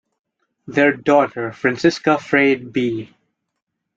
Their daughter, Franziska Freide b.